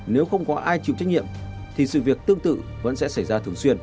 nếu không có ai chịu trách nhiệm thì sự việc tương tự vẫn sẽ xảy ra